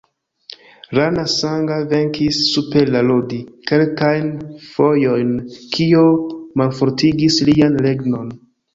Rana Sanga venkis super la Lodi kelkajn fojojn, kio malfortigis lian regnon.